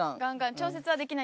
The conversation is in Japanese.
調節ができない？